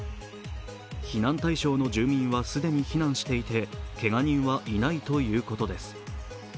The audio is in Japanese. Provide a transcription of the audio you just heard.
避難対象の住民は既に避難していてけが人はいないということです。